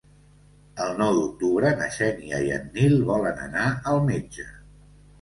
El nou d'octubre na Xènia i en Nil volen anar al metge.